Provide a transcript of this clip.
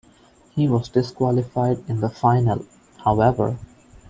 He was disqualified in the final, however.